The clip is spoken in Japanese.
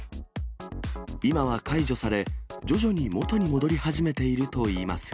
今は解除され、徐々に元に戻り始めているといいますが。